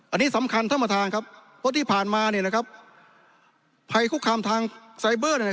อันนี้สำคัญท่ามมาทางครับเพราะที่ผ่านมาไภคุกคามทางไซเบอร์